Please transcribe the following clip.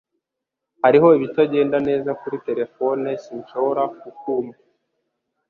Hariho ibitagenda neza kuri terefone Sinshobora kukumva